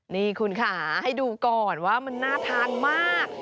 นี่คุณค่ะให้ดูก่อนว่ามันน่าทานมาก